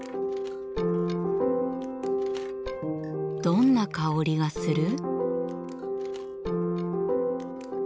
どんな香りがする？